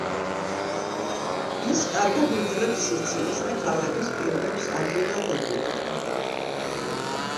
ის კარგად უძლებს სიცივეს და ქალაქის პირობებს ადვილად ეგუება.